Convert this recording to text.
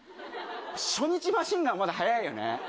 初日、マシンガンはまだ速いよね。